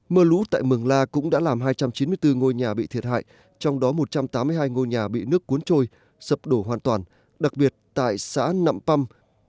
mưa lũ tại mường la cũng đã làm hai trăm chín mươi bốn ngôi nhà bị thiệt hại trong đó một trăm tám mươi hai ngôi nhà bị nước cuốn trôi sập đổ hoàn toàn đặc biệt tại xã nậm păm